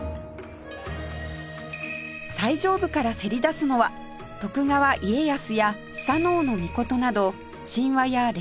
最上部からせり出すのは徳川家康や素戔嗚尊など神話や歴史上の人物の人形